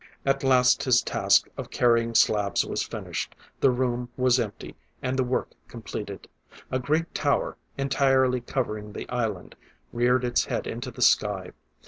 At last his task of carrying slabs was finished. The room was empty, and the work completed. A great tower, entirely covering the island, reared its head into the sky.